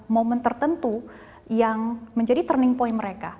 momen tertentu yang menjadi turning point mereka